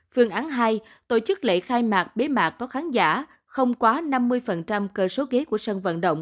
phương án hai tổ chức lễ khai mạc bế mạc có khán giả không quá năm mươi cơ số ghế của sân vận động